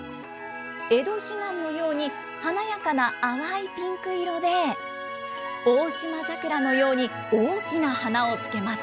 エドヒガンのように、華やかな淡いピンク色で、オオシマザクラのように大きな花をつけます。